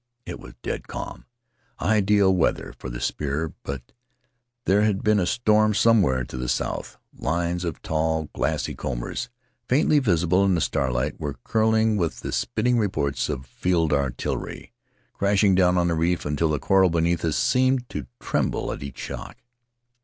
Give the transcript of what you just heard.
It was dead calm — ideal weather for the spear — but there had been a storm somewhere to the south; lines of tall glassy combers, faintly visible in the starlight, were curling with the splitting reports of field artillery — crashing down on the reef until the coral beneath us seemed to tremble at each shock.